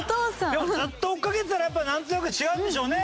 でもずっと追っかけてたらやっぱなんとなく違うんでしょうね。